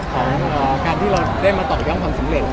ของการที่เราได้มาต่อยอดความสำเร็จ